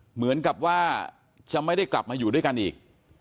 เหมือนกับว่าจะไม่ได้กลับมาอยู่ด้วยกันอีก